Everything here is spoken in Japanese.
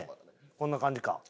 こんな感じか。